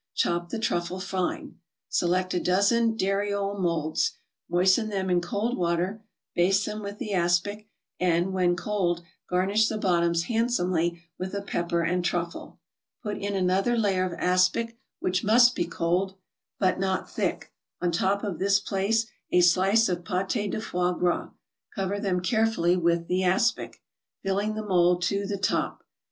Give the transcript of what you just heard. Chop the truffle fine. Select a dozen dariole molds, moisten them in cold water, baste them with the aspic, and, when cold, garnish the bottoms handsomely with a pepper and truffle. Put in another layer of aspic, which must be cold, but not thick; on top of this place a slice of pate de foie gras, cover them carefully with the aspic, filling the mold to the top.